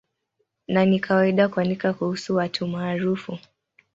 Na ni kawaida kuandika kuhusu watu maarufu.